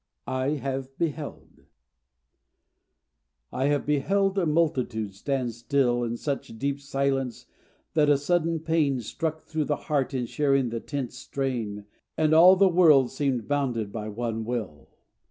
I HAVE BEHELD I have beheld a multitude stand still In such deep silence that a sudden pain Struck through the heart in sharing the tense strain, And all the world seemed bounded by one will.